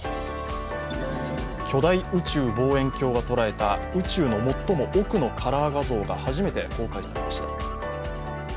巨大宇宙望遠鏡が捉えた宇宙の最も奥のカラー画像が初めて公開されました。